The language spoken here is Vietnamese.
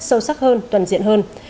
sâu sắc hơn toàn diện hơn